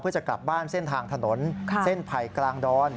เพื่อจะกลับบ้านเส้นทางถนนเส้นไผ่กลางดอน